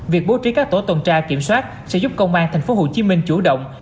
việc bố trí các tổ tuần tra kiểm soát sẽ giúp công an tp hcm chủ động